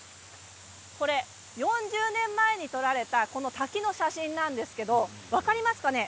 これは４０年前に撮られたこの滝の写真なんですけれども分かりますかね。